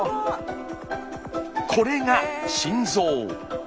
これが心臓。